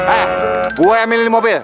eh gue yang milih mobil